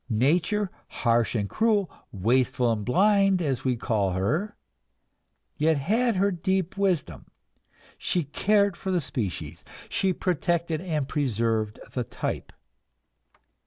Nature, harsh and cruel, wasteful and blind as we call her, yet had her deep wisdom; she cared for the species, she protected and preserved the type.